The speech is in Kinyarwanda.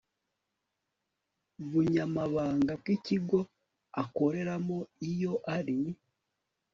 bunyamabanga bw ikigo akoreramo iyo ari